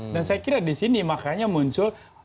dan saya kira di sini makanya muncul